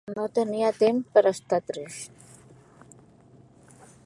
No tenia temps per estar trist